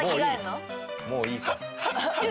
もういいよ。